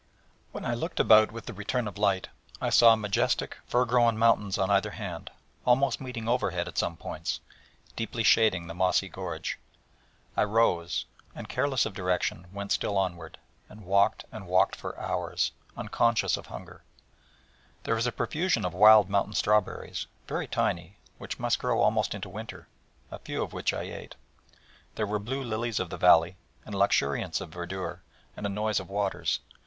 When I looked about with the return of light I saw majestic fir grown mountains on either hand, almost meeting overhead at some points, deeply shading the mossy gorge. I rose, and careless of direction, went still onward, and walked and walked for hours, unconscious of hunger; there was a profusion of wild mountain strawberries, very tiny, which must grow almost into winter, a few of which I ate; there were blue gentianellas, and lilies of the valley, and luxuriance of verdure, and a noise of waters.